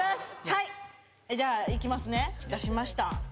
はいじゃあいきますね出しました